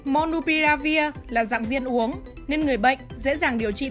monopiravir là dạng viên uống nên người bệnh dễ dàng điều trị tạm